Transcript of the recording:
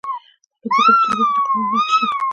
د پکتیکا په سروبي کې د کرومایټ نښې شته.